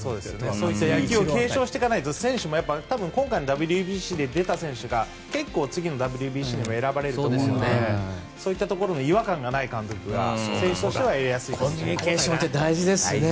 そういった野球を継承していかないと、選手も多分、今回のＷＢＣに出た選手が結構、次のＷＢＣにも選ばれると思うのでそういったところに違和感がない監督がコミュニケーションって大事ですね。